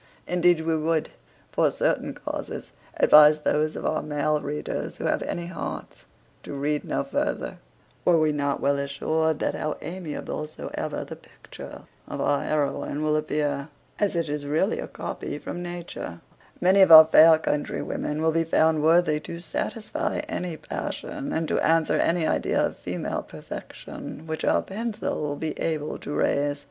Indeed we would, for certain causes, advise those of our male readers who have any hearts, to read no farther, were we not well assured, that how amiable soever the picture of our heroine will appear, as it is really a copy from nature, many of our fair countrywomen will be found worthy to satisfy any passion, and to answer any idea of female perfection which our pencil will be able to raise.